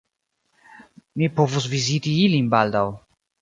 Mi povus viziti ilin baldaŭ.